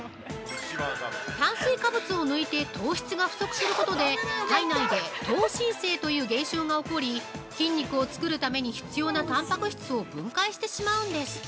炭水化物を抜いて糖質が不足することで、体内で糖新生という現象が起こり、筋肉を作るために必要なタンパク質を分解してしまうんです。